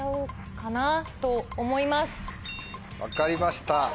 分かりました。